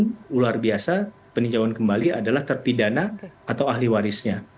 jika tidak ada upaya hukum luar biasa peninjauan kembali adalah terpidana atau ahli warisnya